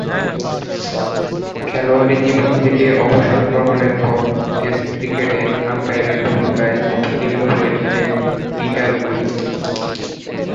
খেলোয়াড়ী জীবন থেকে অবসর গ্রহণের পর টেস্ট ক্রিকেটে আম্পায়ারের ভূমিকায় অবতীর্ণ হয়েছিলেন পিটার উইলি।